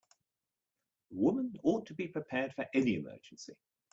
A woman ought to be prepared for any emergency.